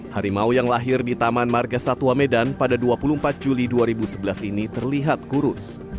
harimau yang lahir di taman marga satwa medan pada dua puluh empat juli dua ribu sebelas ini terlihat kurus